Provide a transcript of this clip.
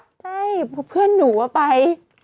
ใช่เพื่อนหนูว่าไป